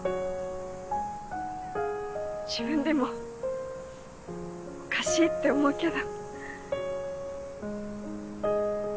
自分でもおかしいって思うけど。